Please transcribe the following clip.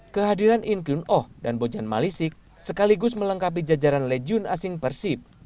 kehadiran inkyun oh dan bojan malisik sekaligus melengkapi jajaran legion asing persib